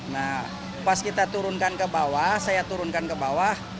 nah pas kita turunkan ke bawah saya turunkan ke bawah